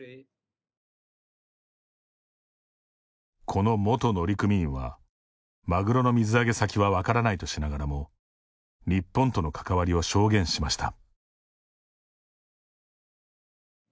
この元乗組員はマグロの水揚げ先は分からないとしながらも日本との関わりを証言しました。